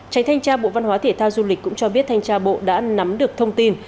tránh thanh tra bộ văn hóa thể thao du lịch cũng cho biết thanh tra bộ đã nắm được thông tin